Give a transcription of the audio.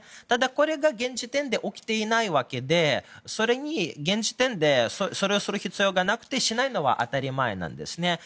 ただ、これが現時点で起きていないわけでそれに現時点でそれをする必要がなくてしないのは当たり前なんですね。